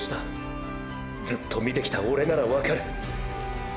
ずっと見てきたオレならわかる。